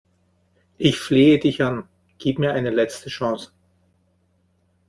Ich flehe dich an, gib mir eine letzte Chance!